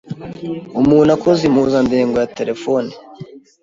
Umuntu akoze impuzandengo ya telefoni